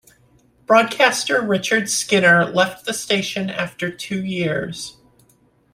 Broadcaster Richard Skinner left the station after two years.